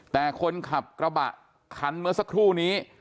แต่คนขับกระบะคันเมื่อสักครู่นี้